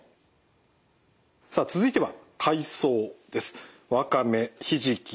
さあ続いては海藻です。